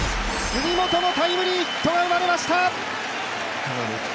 杉本のタイムリーヒットが生まれました。